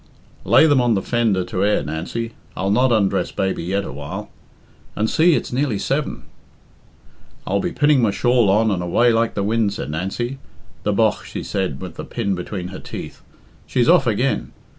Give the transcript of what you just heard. "Lay them on the fender to air, Nancy I'll not undress baby yet awhile. And see it's nearly seven." "I'll be pinning my shawl on and away like the wind," said Nancy. "The bogh!" she said, with the pin between her teeth. "She's off again.